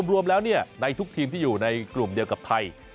รวมแล้วในทุกทีมที่อยู่ในกลุ่มเดียวกับไทย